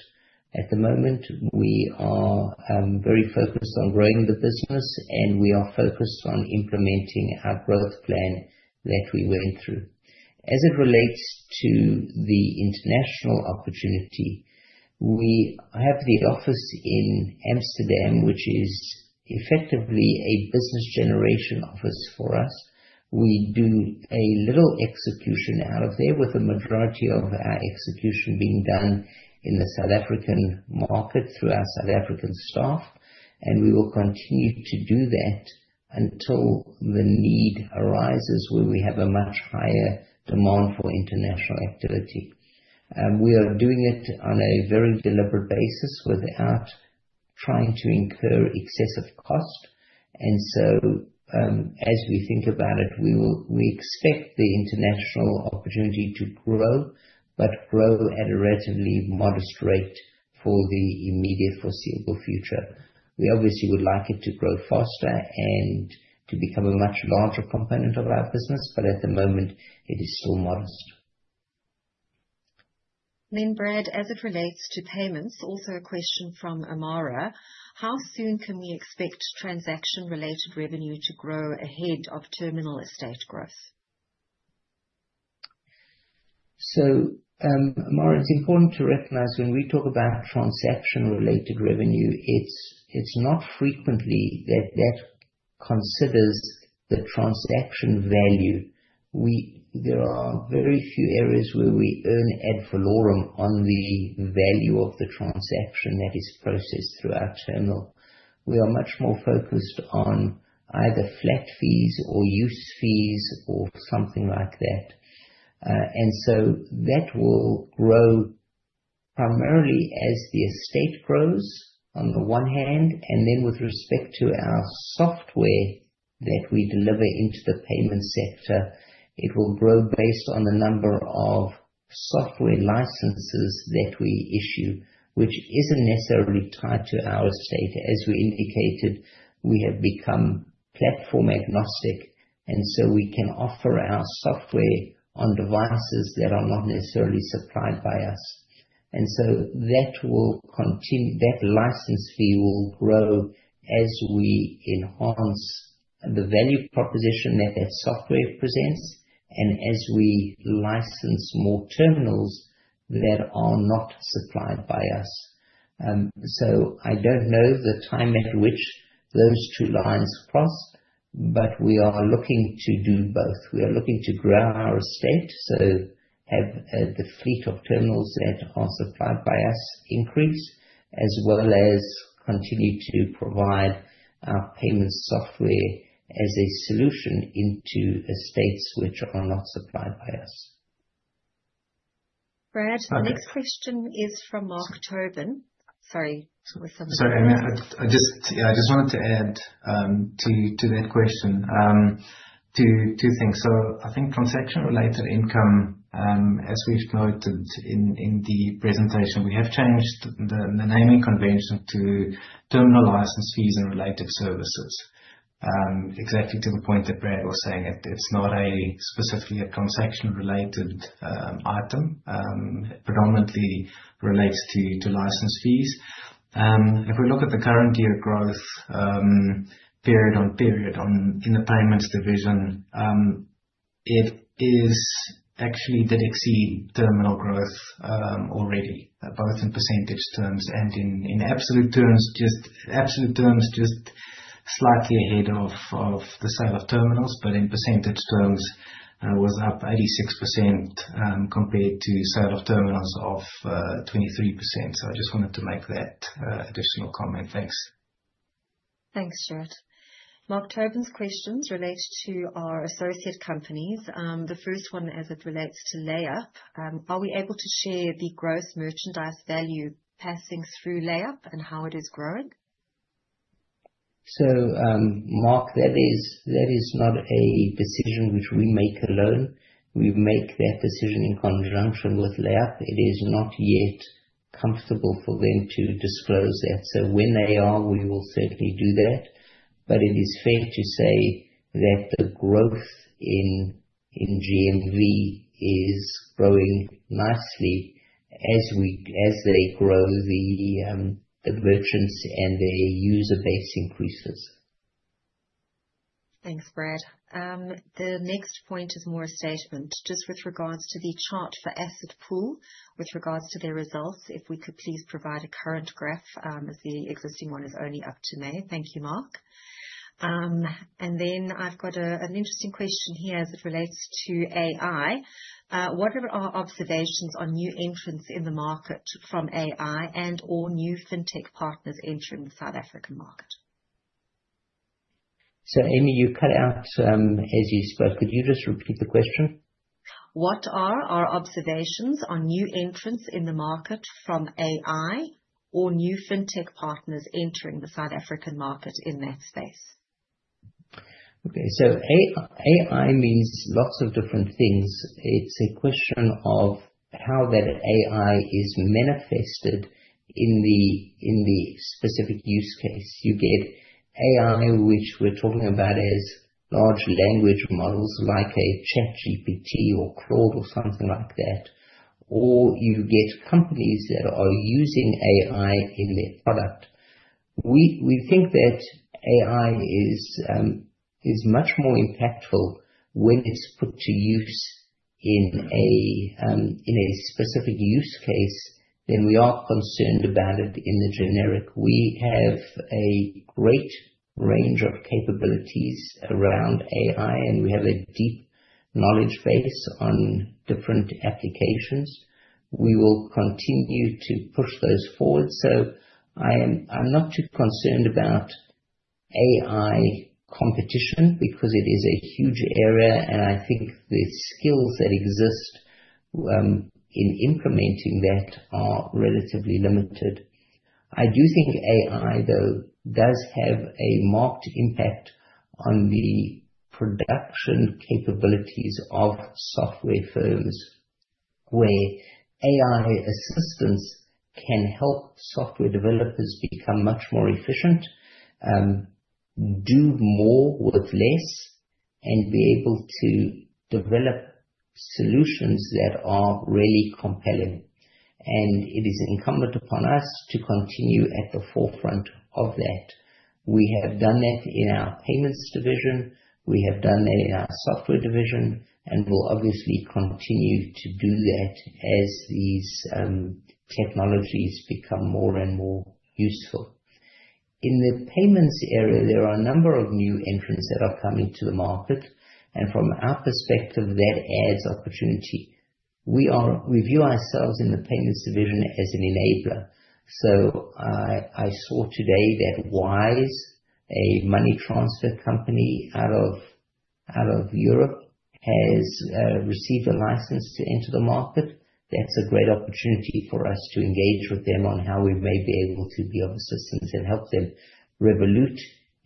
At the moment, we are very focused on growing the business. We are focused on implementing our growth plan that we went through. As it relates to the international opportunity, we have the office in Amsterdam, which is effectively a business generation office for us. We do a little execution out of there, with the majority of our execution being done in the South African market through our South African staff, and we will continue to do that until the need arises where we have a much higher demand for international activity. We are doing it on a very deliberate basis without trying to incur excessive cost. As we think about it, we expect the international opportunity to grow but grow at a relatively modest rate for the immediate foreseeable future. We obviously would like it to grow faster and to become a much larger component of our business, but at the moment it is still modest. Brad, as it relates to payments, also a question from Amara, "How soon can we expect transaction-related revenue to grow ahead of terminal estate growth? Amara, it's important to recognize when we talk about transaction-related revenue, it's not frequently that that considers the transaction value. There are very few areas where we earn ad valorem on the value of the transaction that is processed through our terminal. We are much more focused on either flat fees or use fees or something like that. That will grow primarily as the estate grows on the one hand, and then with respect to our software that we deliver into the payment sector, it will grow based on the number of software licenses that we issue, which isn't necessarily tied to our estate. As we indicated, we have become platform agnostic, and so we can offer our software on devices that are not necessarily supplied by us. That license fee will grow as we enhance the value proposition that that software presents and as we license more terminals that are not supplied by us. I don't know the time at which those two lines cross, but we are looking to do both. We are looking to grow our estate, so have the fleet of terminals that are supplied by us increase, as well as continue to provide our payments software as a solution into estates which are not supplied by us. Brad- Sorry. The next question is from Mark Tobin. Sorry. Sorry, Aimee. I just wanted to add to that question, two things. I think transaction-related income, as we've noted in the presentation, we have changed the naming convention to terminal license fees and related services. Exactly to the point that Brad was saying, it's not specifically a transaction-related item. It predominantly relates to license fees. If we look at the current year growth, period on period in the Payments Division, it actually did exceed terminal growth already, both in percentage terms and in absolute terms, just slightly ahead of the sale of terminals, but in percentage terms, was up 86%, compared to sale of terminals of 23%. I just wanted to make that additional comment. Thanks. Thanks, Sjoerd. Mark Tobin's questions relate to our associate companies. The first one, as it relates to LayUp. Are we able to share the gross merchandise value passing through LayUp and how it is growing? Mark, that is not a decision which we make alone. We make that decision in conjunction with LayUp. It is not yet comfortable for them to disclose that. When they are, we will certainly do that. It is fair to say that the growth in GMV is growing nicely as they grow the merchants and their user base increases. Thanks, Brad. The next point is more a statement just with regards to the chart for AssetPool, with regards to their results. If we could please provide a current graph, as the existing one is only up to May. Thank you, Mark. I've got an interesting question here as it relates to AI. What are our observations on new entrants in the market from AI and/or new fintech partners entering the South African market? Aimee, you cut out as you spoke. Could you just repeat the question? What are our observations on new entrants in the market from AI or new fintech partners entering the South African market in that space? AI means lots of different things. It's a question of how that AI is manifested in the specific use case. You get AI, which we're talking about as large language models like a ChatGPT or Claude or something like that. You get companies that are using AI in their product. We think that AI is much more impactful when it's put to use in a specific use case than we are concerned about it in the generic. We have a great range of capabilities around AI, and we have a deep knowledge base on different applications. We will continue to push those forward. I'm not too concerned about AI competition because it is a huge area, and I think the skills that exist in implementing that are relatively limited. I do think AI, though, does have a marked impact on the production capabilities of software firms, where AI assistance can help software developers become much more efficient, do more with less, and be able to develop solutions that are really compelling. It is incumbent upon us to continue at the forefront of that. We have done that in our payments division. We have done that in our software division and will obviously continue to do that as these technologies become more and more useful. In the payments area, there are a number of new entrants that are coming to the market. From our perspective, that adds opportunity. We view ourselves in the payments division as an enabler. I saw today that Wise, a money transfer company out of Europe, has received a license to enter the market. That's a great opportunity for us to engage with them on how we may be able to be of assistance and help them. Revolut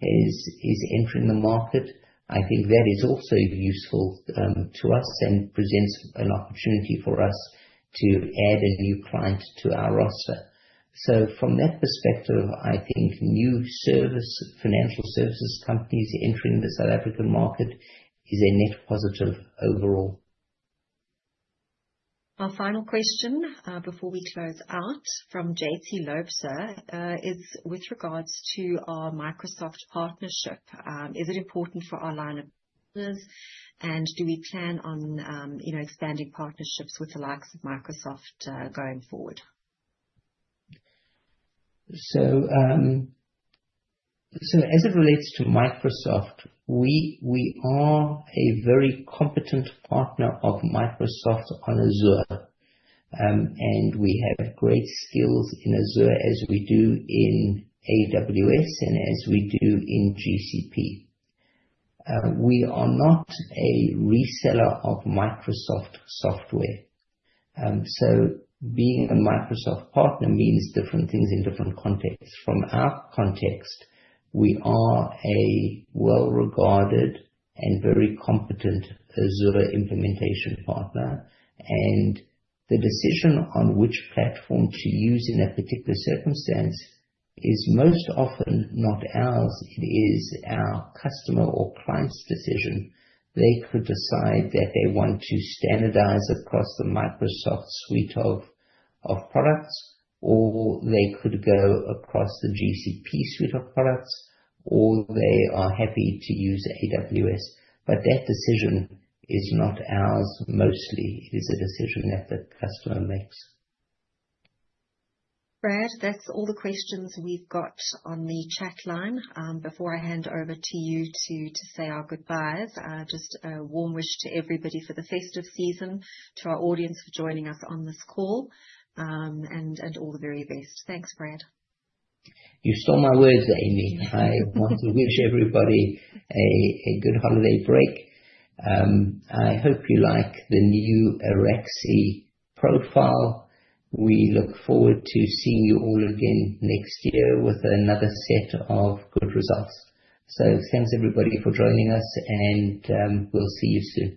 is entering the market. I think that is also useful to us and presents an opportunity for us to add a new client to our roster. From that perspective, I think new financial services companies entering the South African market is a net positive overall. Our final question, before we close out from J.T. Loubser, is with regards to our Microsoft partnership. Is it important for our line of business? Do we plan on expanding partnerships with the likes of Microsoft going forward? As it relates to Microsoft, we are a very competent partner of Microsoft on Azure. We have great skills in Azure as we do in AWS and as we do in GCP. We are not a reseller of Microsoft software. Being a Microsoft partner means different things in different contexts. From our context, we are a well-regarded and very competent Azure implementation partner. The decision on which platform to use in a particular circumstance is most often not ours. It is our customer or client's decision. They could decide that they want to standardize across the Microsoft suite of products, or they could go across the GCP suite of products, or they are happy to use AWS. That decision is not ours, mostly. It is a decision that the customer makes. Brad, that's all the questions we've got on the chat line. Before I hand over to you two to say our goodbyes, just a warm wish to everybody for the festive season, to our audience for joining us on this call, and all the very best. Thanks, Brad. You stole my words, Aimee. I want to wish everybody a good holiday break. I hope you like the new Araxi profile. We look forward to seeing you all again next year with another set of good results. Thanks everybody for joining us and we'll see you soon.